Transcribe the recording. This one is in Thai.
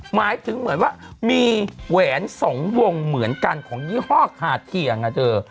หมายถึงเหมือนว่ามีแหวนสองวงเหมือนกันของยี่ห้อคาเทียงอ่ะเธอ